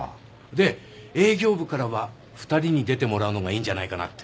で営業部からは２人に出てもらうのがいいんじゃないかなって。